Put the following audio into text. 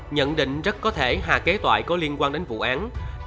nhận định rất có thể hà kế tòa có liên quan đến vụ án